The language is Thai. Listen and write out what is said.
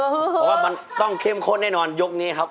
เพราะว่ามันต้องเข้มข้นแน่นอนยกนี้ครับ